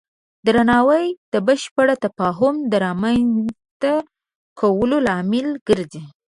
درناوی د بشپړ تفاهم د رامنځته کولو لامل ګرځي.